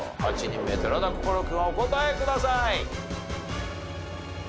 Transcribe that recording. ８人目寺田心君お答えください。